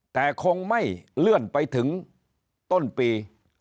แต่คงไม่เลื่อนไปถึงต้นปี